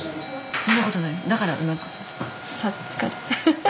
そんなことない。